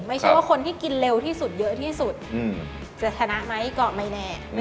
ไม่ใช่ว่าคนที่กินเร็วที่สุดเยอะที่สุดจะชนะไหมก็ไม่แน่